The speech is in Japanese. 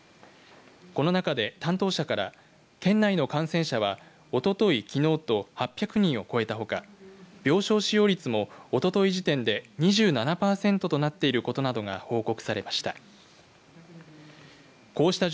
この中で、担当者から県内の感染者はおととい、きのうと８００人を超えたほか病床使用率も、おととい時点で２７パーセントとなっていることなどが報告されました。